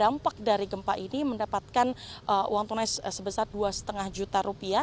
dampak dari gempa ini mendapatkan uang tunai sebesar dua lima juta rupiah